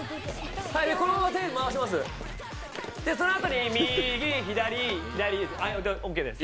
このまま手回します、そのあとに右、左、右オッケーです。